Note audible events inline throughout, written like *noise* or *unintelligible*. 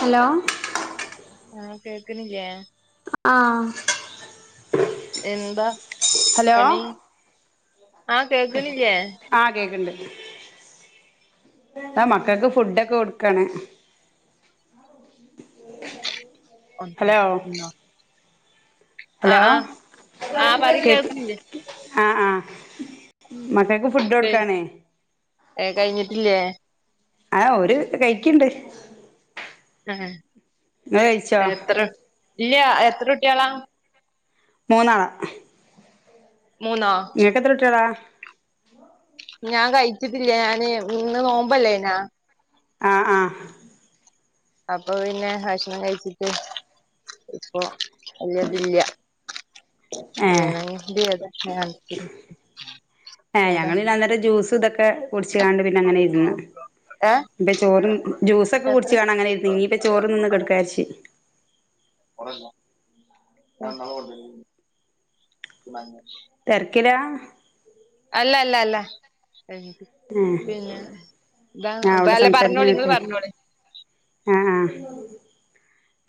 Hello ആഹ് കേക്കണില്ലേ ആഹ് എന്താ ഹലോ പണി ആഹ് കേക്കണില്ലേ ആഹ് കേക്ക്ണ്ട് ആ മക്കക്ക് ഫുഡ് ഒക്കെ കൊടുക്കാണ് ഹലോ *unintelligible* ഹലോ ആഹ് ആഹ് ആഹ് പറി കേക്ക് കേൾക്കണില്ലേ ആഹ് ആഹ് മക്കക്ക് ഫുഡ് കൊടുക്കാണ് കഴിഞ്ഞിട്ടില്ലേ ആഹ് ഓര് കഴിക്കണ്ട് ആഹ് ഇങ്ങള് കഴിച്ചോ എത്ര ഇല്ല എത്ര കുട്ടികളാ മൂന്നാള മൂന്നോ നിനക്കെത്ര കുട്ടികളാ ഞാൻ കഴിച്ചിട്ടില്ല ഞാന് ഇന്ന് നോമ്പല്ലേനാ ആഹ് ആഹ് അപ്പൊ പിന്നെ ഭഷണം കഴിച്ചിട്ട് ഇപ്പോ അല്ലതില്ല ഏഹ് *unintelligible* ഏഹ് ഏതാ ഞങ്ങള് പിന്നെ അന്നേരം ജൂസ് ഇതൊക്കെ കുടിച്ച് കാണ്ട് പിന്നെ അങ്ങനെ ഇരുന്ന് ഏഹ് ഇപ്പൊ ചോറും ജ്യൂസൊക്കെ കുടിച്ച് എത്ര കാണ അങ്ങനിരുന്നു ഇനീയിപ്പ ചോറും നിന്ന് കെടുക്കാരിച്ച് *unintelligible* തെരക്കില അല്ല അല്ല അല്ല ഏഹ് പിന്നെ ഞാൻ അവിടെ അല്ല പറഞ്ഞോളി സംസാരിക്കുന്ന നിങ്ങൾ കേട്ട് പറഞ്ഞോളി ആഹ് ആഹ്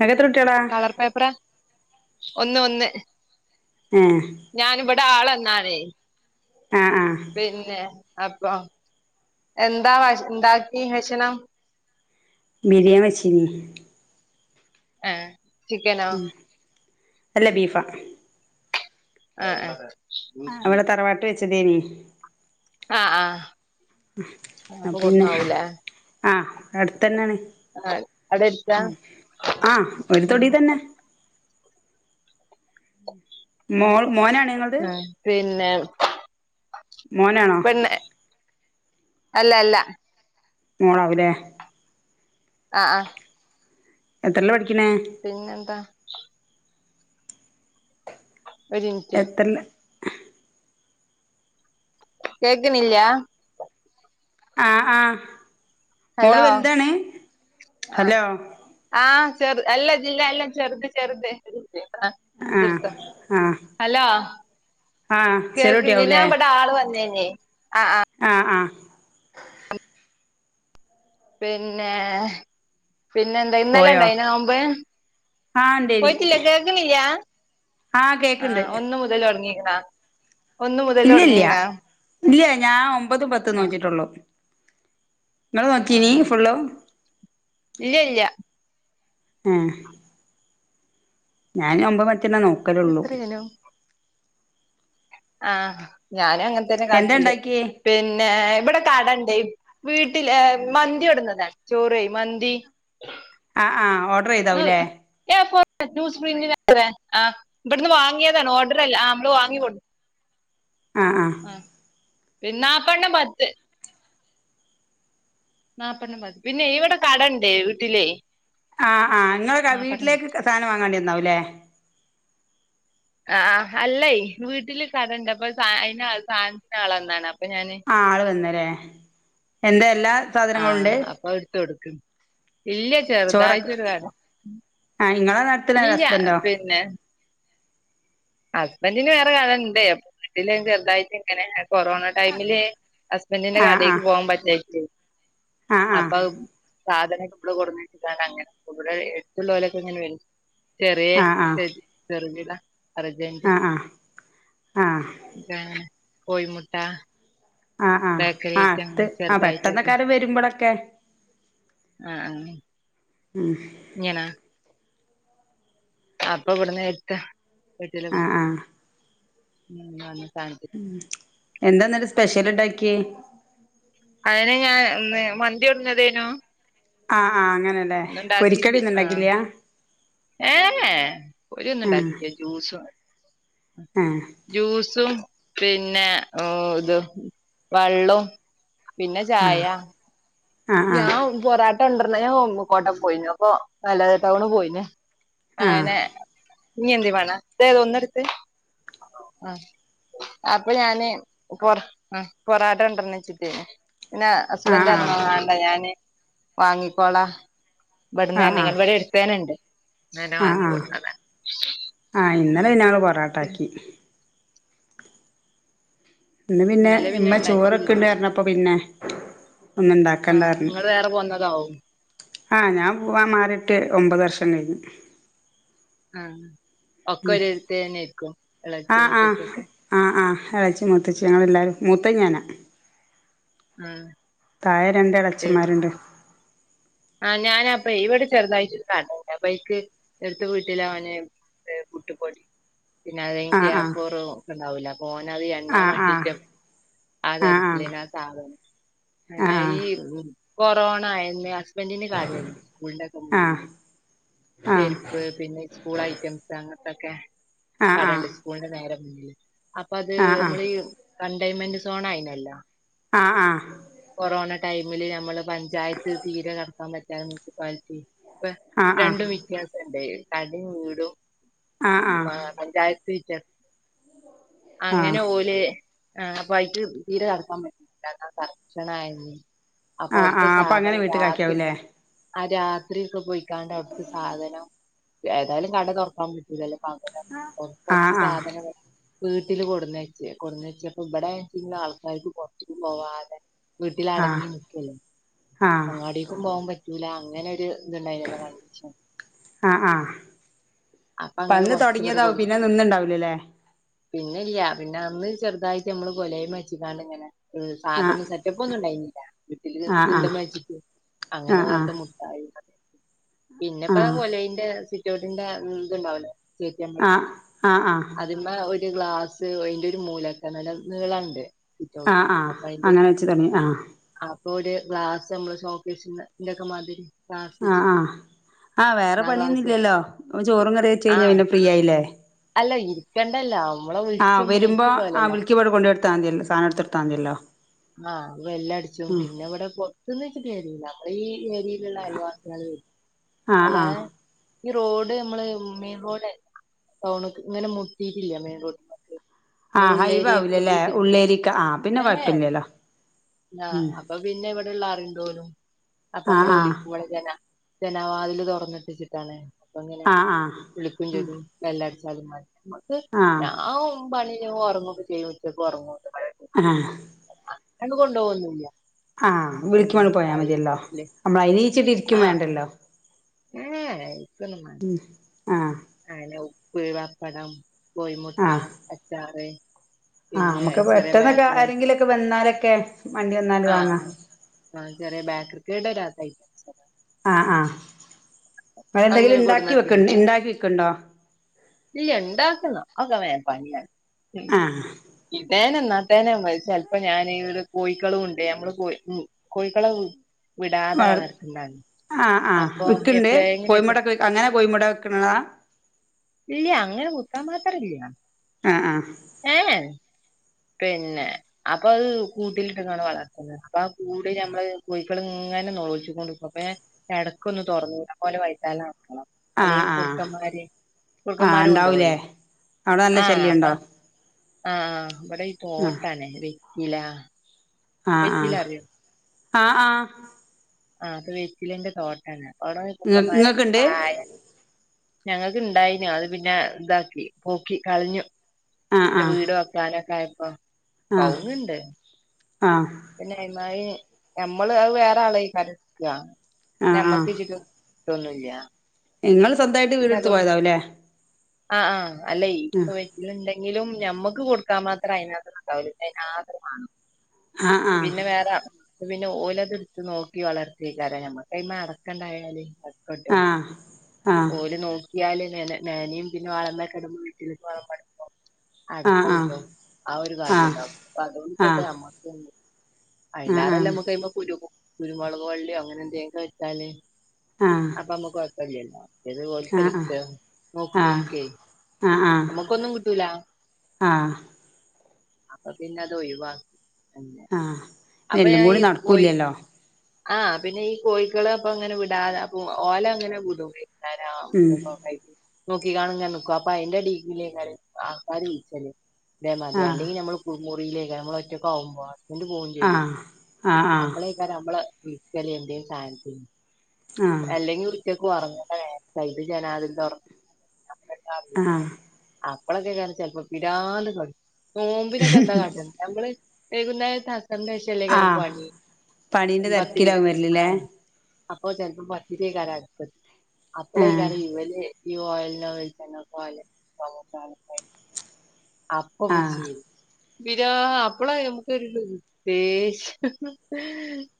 നിനക്കെത്ര കുട്ടികളാ കളർ പേപ്പറാ ഒന്ന് ഒന്ന് ഏഹ് ഞാന ഇവിടെ ആളെന്നാണേ ആഹ് ആഹ് പിന്നെ അപ്പൊ എന്താ ഉണ്ടാക്കി ഭഷണം ബിരിയ വെച്ചിനി ആഹ് അല്ല ബീഫാ ആഹ് ആഹ് അവിടെ തറവാട്ടി വെച്ചതേനി ആഹ് ആഹ് അപ്പൊ പിന്നെ കൊടുന്നാവൂലേ ആഹ് അടുത്തന്നെയാണ് ആഹ് അവിടെ എടുത്താ ആഹ് ഒരു തൊടി തന്നെ മോൾ മോനാണ് ഇങ്ങളത് ആഹ് പിന്നെ മോനാണോ പിന്നെ അല്ല അല്ല മോളാവൂല്ലേ അഹ് ആഹ് എത്രല്ല പഠിക്ക്ണേ പിന്നെന്താ? ഒരിൻറ്റ് എത്രയിലാ കേക്കിണില്ല ആഹ് ഹ ഹലോ ആഹ് ഹലോ ആഹ് ചെറു എല്ല ജില്ല എല്ലാം ചെറുത് ചെറുത ആഹ് *unintelligible* ആഹ് ഹലോ ആഹ് ചെറിയ കേൾക്ക്ല്ല കുട്ടിയാവൂലേ ഞാൻ പടെ ആൾ വന്നീനി ആഹ് ആഹ് ആഹ് ആഹ് പിന്നെ പിന്നെ എന്താ ഇന്നലെ പോയോ ഇണ്ടയ്നിയോ നോമ്പ് ആഹ് ഇണ്ടേനി പോയിട്ടില്ല കേക്ക്ണില്ല ആഹ് ഒന്ന് മുതല് തൊടങ്ങിക്ക്ണ? ഇല്ലല്ല ഇല്ല ഞാൻ ഒമ്പതും പത്തും ആ നോറ്റിട്ടുള്ളു ഇങ്ങള് നോറ്റീനീ ഫുള്ളും ഇല്ലല്ല ആഹ് ഞാനു ഒമ്പതും പത്തൊന്നെ നോ എത്രയന ആഹ് ഞാനും അങ്ങൻത്തന്നെ എന്താ കാട്ടല് ഇണ്ടാക്കിയേ പിന്നെ ഇവിടെ കടണ്ടേ വീട്ടിൽ ങ്ങ് മന്തി കൊടുന്നതാണ് വീട്ടില് ചോറ് മന്തി ആഹ് ആഹ് ഓ ന്ന് ഏ *unintelligible* ആഹ് ഇവിടുന്ന് വാങ്ങിയതാണ് ഓർഡർല്ല ആഹ് നമ്മള് വാങ്ങി കൊ ആഹ് ആഹ് ആഹ് പി ന്നാപ്പണം പത്ത് *unintelligible* നാപ്പെണ്ണം മതി പിന്നെ ഇവിടെ കടണ്ടേ വീട്ടിലേ ആഹ് ആഹ് ങ്ങള് നാപ്പെണ്ണം മതി വീട്ടിലേക്ക് സാധനം വാങ്ങേണ്ടി വന്നാവും ല്ലേ അ ആഹ് അല്ലേ വീട്ടില് കടണ്ട് അപ്പൊ സ അ സാസിന ആള ഒന്നാണ് ആഹ് ആള് വന്ന്ല്ലേ എന്തെ എല്ലാ സാധനങ്ങള്ണ്ട് ആഹ് അപ്പൊ എടുത്ത് കൊടുക്കും ഇല്ല ചോറൊ ചെറുതായിട്ടൊരു കട ആഹ് ങ്ങള നടത്ത്ണ അതോ ഇല്ല ഹസ്ബൻഡോ ഹസ്ബന്റിന് വേറെ കാണല്ണ്ടേ അപ്പ വീട്ടില ചെറുതായിട്ട് ഇങ്ങനെ കൊറോണ ടൈമില് ഹസ്ബന്റിന്റെ ആഹ് കടേക്ക് ആഹ് പോകാൻ പറ്റാഞ്ഞിട്ടേ ആഹ് ആഹ് അപ്പൊ സാധനൊക്കെ ഇമ്മടെ കൊടുന്ന വച്ചിട്ടണ്ട് അങ്ങനെ നവിടെ എടുത്തുള്ള പോലൊക്കെ ഇങ്ങനെ വ ചെറിയേ ആഹ് ശെരി ചെറവില അർജന്റി ആഹ് ആഹ് ആഹ് *inaudible* കോഴിമുട്ട ആഹ് ആഹ് ബേക്കറി ആഹ് ആയിട്ട് അടുത്ത് അങ്ങനെ ആഹ് പെട്ടെന്നൊക്കെ ചെറുതായിട്ടൊക്കെ ആരേം വരുമ്പോഴൊക്കെ ഉം ങ്ങനെ? അപ്പ ഇവിടന്ന് എത്ത എ ആഹ് ആഹ് സ എന്താന്നാല സ്പെഷ്യൽ ഇണ്ടാക്കി അതിെ ഞാൻ മന്തി ഉടഞ്ഞതേനോ ആഹ് ആഹ് അങ്ങനെ ഇന്ന്ണ്ടാക്കില്ലേ? ആഹ് ഏഹ് ഹേ പൊരി ഒന്നും ഇണ്ടാക്കിട്ടി ജ്യൂസും ആഹ് ജ്യൂസും പിന്നെ ഇത് വെള്ളോം പിന്നെ ചായ ആഹ് ആഹ് ഞാൻ പൊറാട്ട കൊണ്ടര്ണ ഞാൻ കോട്ട പോയിനു അപ്പൊ മല്ലാത ടൗണ് പോയിനേ. ആഹ് അങ്ങനെ ഇഞ്ഞി എന്തേ വാണോ തേ ഒന്നടുത്തേ ആഹ് അപ്പ ഞാന് പൊറ ആഹ് പൊറാട്ട കൊണ്ടര്ണോയ്ച്ചിട്ടേ പിന്നെ ഹസ്ബൻഡ് ആഹ് ആഹ് ർഞ്ഞു മാണ്ട ഞാന് വാങ്ങിക്കോളാ. ആഹ് ആഹ് ഇവട്ന്നർഞ്ഞിങ്ങാണ്ട് ഇവടെ എട്ത്തേന്നണ്ട്. ആഹ് ആഹ് ആഹ് ഇന്നലെ പിന്നെ ഞങ്ങൾ പൊറാട്ടാക്കി. ഇന്ന് പിന്നെ ഇന്നലെ ഇമ്മ ഇണ്ടായിട്ടില്ല ചോറൊക്കെ ഇണ്ട്ർഞ്ഞപ്പം പിന്നെ ഇന്ന് ആഹ് ഇണ്ടാക്കണ്ടാർഞ്ഞ് ഇങ്ങള് വേറെ പോന്നതാവും ആഹ് ഞാൻ പോവാൻ മാറിട്ട് ഒമ്പത് വർഷം കഴിഞ്ഞ്. ആഹ് ഒക്കെ ഒര് ഇതേന്നെ ക്കും എളച്ചി ആഹ് ആഹ് മൂത്തച്ചി ഒക്കെ ആഹ് ആഹ് എളച്ചി മൂത്തച്ചി ഞങ്ങള് എല്ലാരും മൂത്തേ ഞാനാ. ആഹ് താഴെ രണ്ട് പിന്നെ എളച്ചന്മാരുണ്ട് ആഹ് ഞാന അപ്പേ ഇവിടെ ചെറുതായിട്ട് *unintelligible* അപ്പ ഇക്ക് എട്ത്ത വീട്ടില അവന് പുട്ടുപൊടി പിന്നെ അതെനിക്ക് ആഹ് എ ഫോർ ഒക്കെ ഉണ്ടാവൂല അപ്പോ ഓനത് എണ്ണാൻ ആഹ് മാണ്ടിട്ട് ആഹ് ആഹ് തെരക്കിലേനു ആഹ് സാധനം അങ്ങനെ ആഹ് ഈ കൊറോണ ആയല്ലേ. ഹസ്ബൻഡിന് ആഹ് ആഹ് *unintelligible* ആഹ് ആഹ് ചെരുപ്പ് പിന്നെ സ്കൂൾ ഐറ്റംസ് അങ്ങത്തൊക്കെ. ആഹ് ആഹ് കടണ്ട് സ്കൂളിന്റെ നേരെ മുന്നില് അപ്പ അത് ആഹ് നമ്മളി കണ്ടെയ്ൻമെന്റ് സോണായിനല്ലോ? ആഹ് ആഹ് കൊറോണ ടൈമില് നമ്മള് പഞ്ചായത്ത് തീരെ കടക്കാൻ പറ്റാതെ മുനിസിപ്പാലിറ്റി പ്പ ആഹ് ആഹ് രണ്ടും വ്യത്യാസണ്ട് കടിം വീടും ആഹ് ആഹ് മാ പഞ്ചായത്ത് വിറ്റ ആഹ് ആഹ് അങ്ങനെ ഓല് ആഹ് അപ്പായിട്ട് തീരെ അടക്കാൻ പറ്റുല്ലാന്നാ പറ ഭക്ഷണായിനി അപ്പൊ ആഹ് അട്ത്ത ആഹ് അപ്പൊ അങ്ങനെ സാധനം രാത്രി വീട്ടിലാക്കിയാവൂല്ലേ ആഹ് രാത്രി ഒക്കെ പോയിക്കാണ്ട് അഒട്ത്തെ സാധനം ഏതായാലും കട തുറക്കാൻ പറ്റൂലല്ലോ പകരം കൊർ കൊർച്ച് ആഹ് ആഹ് സാധനങ്ങൾ വീട്ടില് കൊട്ന്നച്ച് കൊട്ന്നച്ചപ്പം ഇബടെ പിന്നെ ആൾക്കാർക്ക് പൊർത്ത്ക്ക് പോവാതെ വീട്ടിൽ അടങ്ങി ആഹ് നിക്കല്ലേ ആഹ് അങ്ങാടി ക്കും പോവാൻ പറ്റൂല അങ്ങനെ ഒര് ഇത്ണ്ടായിനല്ലോ *unintelligible* ആഹ് ആഹ് അപ്പൊ പ്പ അങ്ങനെ അന്ന് തുടങ്ങിയതാവും പിന്നെ നിന്ന്ണ്ടാവുലലേ? പിന്നെല്യാ പിന്നെ അന്ന് ചെറുതായിട്ട് നമ്മള് കൊലയ്മെ വെച്ചിക്കാണ്ട് ഇങ്ങനെ ഹ് ആഹ് സാധനം സെ ചപ്പ് ഒന്നും ഉണ്ടായിനില്ല വീട്ടില് ആഹ് ആഹ് തിണ്ടമെ വെച്ചിട്ട് അങ്ങനെ ആഹ് വെറുതെ മുട്ടായി പിന്നെപ്പേ ആഹ് കൊലയിന്റെ സിറ്റൗട്ടിന്റെ ഇത്ണ്ടാവുലേ ചേറ്റമ്മൽ ആഹ് ആഹ് ആഹ് ആഹ് അ തിമേ ഒരു ഗ്ലാസ് അയിന്റെ ഒരു മൂലക്കെമല് നീളണ്ട്. സിറ്റൗട്ട് ആഹ് ആഹ് അപ്പൊ അയിന്റെ ഒരു അങ്ങനെ വെച്ച് തുടങ്ങി ആഹ് അപ്പൊ ഒര് ഗ്ലാസ് നമ്മള് ഷോക്കീസിന്റെ ഒക്കെ മാതിരി ഗ്ലാസ് ആഹ് വെച്ചിട്ട് ആഹ് ആഹ് വേറെ ആ ഗ്ലാസ് പണിയൊന്നുല്ലല്ലോ ചോറും കറി വെച്ച് കഴിഞ്ഞ ആഹ് പിന്നെ ഫ്രീ ആയില്ലേ. അല്ല ഇരിക്കേണ്ടല്ലോ നമ്മളെ ആഹ് വിളിച്ചും വരുമ്പോ *unintelligible* പോലെ ആ വിളിക്കി ഇവിടന്ന് കൊണ്ട് കൊടുത്താൽ മതിയല്ലോ സാധനം എടുത്താ മതിയല്ലോ ആഹ് വെല്ല് അടിച്ചും പിന്നെ ഇവിടെ പൊറത്തന്ന് വിളിച്ചിട്ട് കേറൂല നമ്മള് ഈ *unintelligible* അയൽവാസികൾ ആഹ് ആഹ് ആഹ് അല്ലാതെ ഈ റോഡ് നമ്മള് മെയിൻ റോഡ് ടൗണ്ക്ക് ഇങ്ങനെ മുട്ടിയിട്ടില്ല മെയിൻ റോഡിലേക്ക് ആഹ് ഹൈവാവില്ലല്ലേ ഉള്ളേരിക്ക ആ പിന്നെ കൊഴപ്പില്ലല്ലോ ആ ഉം അപ്പൊ പിന്നെ ഇവിടെള്ള അറിണ്ടോലും അപ്പൊ നമ്മളെ ആഹ് ആഹ് വിളിക്കുമ്പോള് ജനൽ ജനാവാതില് തുറന്നിട്ടിച്ചിട്ടാണ് അപ്പൊ ഇങ്ങനെ ആഹ് വിളിക്കും വിളിക്കും ചെയ്യും ബെല്ലടിച്ചാലും മതി നമുക്ക് ആഹ് ഞാൻ പണി കഴിഞ്ഞ് ഉറങ്ങൊക്കെ ചെയ്യും ഉച്ചക്ക് ഉറങ്ങുംച ആഹ് ആണ്ട് കൊണ്ടോവോന്നില്ല ആ വിളിക്കുമ്പോൾ പോയാ മതിയല്ലോ ല്ലേ നമ്മൾ അയിനിച്ചിട്ടിരിക്കും വേണ്ടല്ലോ ഏ ഏ ഇരിക്കൊന്നും മാണ്ട ഉം ആഹ് ഹലോ ഉപ്പ് പപ്പടം കോഴിമുട്ട ആഹ് അച്ചാർ ആഹ് നമുക്ക് പെട്ടെന്നൊക്കെ ആരെങ്കിലൊക്കെ വന്നാലൊക്കെ മണ്ടി വന്നാണ്ട് ആഹ് വാങ്ങാ ആഹ് ആഹ് ചെറിയ ബാക്രിക്കേടെ രാത്രി ആ ആ വേറെ എന്തെങ്കിലും അങ്ങനെ ഇണ്ടാക്കി വെക്ക് കൊടുന്നൊക്കെണ്ട് ഇണ്ടാക്കി വയ്ക്ക്ണ്ടോ ഇല്ല ഇണ്ടാക്കന്നം അ ഒക്കെ വേഗം പണിയാണ് ആഹ് ഇതേനെ എന്നാ നടേനെ ചെല്പ്പോ ഞാൻ ഇവിടെ കോഴക്കളുമുണ്ട് നമ്മള് കോഴിക്ക് മു കോഴിക്കളെ വിടാതെ വളർ വളർത്ത്ണ്ടാണ് അപ്പൊ ഏ എപ്പളേങ്കിലൊക്കെ കോഴിമുട അങ്ങനെ കോഴിമുട വക്ക്ണതാ ഇല്ല അങ്ങനെ കുത്താൻ മാത്രല്ല ആഹ് ആഹ് ഏ ഏ പിന്നെ അപ്പൊ അഹ് കൂട്ടിലിട്ട്കാണ്ട് വളർത്ത്ന്നതാ അപ്പൊ ആ കൂട് ഞമ്മള് കോഴക്കള് ഇങ്ങനെ നോളച്ച്കൊണ്ട് നിക്കും അപ്പോ ഞാൻ എടക്കൊന്ന് തുറന്നൂ അപോലെ വൈതാലെ നടക്കണം. ആഹ് അല്ലെങ്ക ആഹ് കുറുക്കന്മാര് ആഹ് കുറുക്കന്മാരും ഉണ്ടാവൂലേ കൊണ്ടവല്ലോ അവിടെ നല്ല ആഹ ശല്യണ്ടോ അതാണ്. ആഹ ഇവിടെ ഈ ആഹ് തോട്ടാണ് വെറ്റില. ആഹ് വെറ്റില ആഹ് അറിയോ ആഹ് ആഹ്. ആഹ അപ്പൊ വെറ്റിലന്റെ തോട്ടാണ് അവടെ ഈ ഇങ്ങ കുറുക്കൻ മാരെ ഇങ്ങക്ക്ണ്ട് താഴെ ഞങ്ങക്ക് ഇണ്ടായിനു അത് പിന്നെ ഇതാക്കി പോക്കി കളഞ്ഞു. ആഹ് പിന്നെ ആഹ് വീട് വെക്കാനൊക്കെ ആയപ്പോ ആഹ് കൗവുങ്‌ണ്ട്. ആഹ്. പിന്നെ അയ്‌ മാരി നമ്മള് അത് വേറെ ആളെ ആഹ് *unintelligible* ട്ടൊന്നുംല്യ. നിങ്ങള്സ്വന്തമായിട്ട് വീട് എടുത്ത് പോയതാവുല്ലേ. ആഹ് ആഹ് അല്ല പോ ഇതി ഉണ്ടെങ്കിലും ഞമ്മുക്ക് കൊടുക്കാൻ മാത്രം അതിനാത്ത് ഉണ്ടാവൂല അതിനാത്രം വാണം. ആഹ് ആഹ് പിന്നെ വേറെ. പിന്നെ ഓല ത് ട്ത് നോക്കി വളർത്തി കാര ഞമ്മ ഐമെ അടക്കണ്ടായാല്. കേട്ടോ ആഹ് ആഹ് ഓല് നോക്കിയാല് ന്നനിം. പിന്നെ *unintelligible* വ് ട്ടില് പോവുമ്പോ അടക്ക ആഹ് കിട്ടും ആ ഒര് കാര്യം ആഹ് ൻണ്ടാവും. ആഹ് അതോപ്പത്തെ ആഹ് അമ്മക് അയ്ല്ലാറല്ല ആഹ് ആഹ് ആഹ് നല്ലനമ്മക്ക് കുരു കുരുമുക് വള്ളിയോ അങ്ങനെ എന്തേലും വെച്ചാല്. ആഹ. അപ്പ നമ്മക്ക് കുഴക്കല്ലോ അതോൽക്കെല്ലേ ക്ട്ട നോക്ണോൽക്. ആഹ് *unintelligible* ഏയ് ആഹ് നമ്മുക്കൊന്നും കിട്ടൂല. ആഹ് അപ്പൊ പിന്നെ അത് ഒയിവാ ആഹ് ഇതെല്ലാം കൂടി നടകുല്ലല്ലോ. ആഹ് പിന്നെ ഈ കോഴികളെ അപ്പൊ അങ്ങനെ വിടാതെ അപ്പൊ ഓല അങ്ങനെ വിടും. ഉം *unintelligible* അങ്ങനെ നിക്കും അപ്പൊ അയിന്റെ എടീക്കൂടെ ആൾക്കാര് വിളിച്ചാല് ഇതേ മാരി ആഹ് അല്ലെങ്കി നമ്മള്. കുളുമുറിയിലേ നമ്മൾ ഒറ്റക്ക ആവുമ്പോ അപ്പോ ഓല് പോവും ചെയ്യും ആഹ് ആഹ് അപ്പള നമ്മളെ വിളിക്കല് എന്തേലും സാന്നതിന്ന് ആഹ് അല്ലെങ്കിവിളി ഉച്ചക്ക് ഒറങ്ണ നേരത്ത് *unintelligible* *unintelligible* ആഹ് അപ്പളൊക്കെ കാണും ചിലപ്പോ പിരാന്തു കളി നോമ്പിനൊക്കെ ന്താ കട്ടാണെ നമ്മള് വൈകുന്നേരത്ത് ആസറിന്റെ ശേഷം കല്ലേ ആഹ് കാരംപ്പണി പണീന്റെ പത്തിരീടെ തിരക്കിലാവും ചുടാ വരലില്ലേ അപ്പൊ ചെലപ്പം പത്തിരി *unintelligible* കാരം അപ്പളേ ആഹ് കാരം ഇവല് ഈ ഓയേൽ വെളിച്ചെണ്ണ അപ്പൊ ആഹ് പിടിച്ചു *unintelligible* പിരാ അപ്പളാ നമുകോരു ലൂ ദേഷ്യം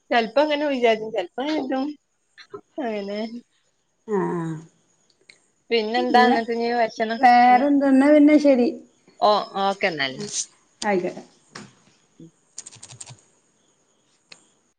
ചെലപ്പോ ഇങ്ങനെ വിചാര്ച്ചും ചെൽ പ്പോ ഇങ്ങനെ ഒക്കെ. അയനെ. ആഹ്. പിന്നെന്താ പിന്ന എന്നിട്ട് ഇനി ഭക്ഷണം വേറെന്തെ ഇന്നാ പിന്നെ ശെരി. ഓഹ് ഓക്കെ എന്നാല്. ആയ്കോട്ടേ.